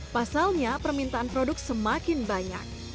pasalnya permintaan produk semakin banyak